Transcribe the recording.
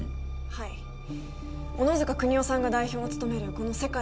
はい小野塚邦男さんが代表を務めるこの世界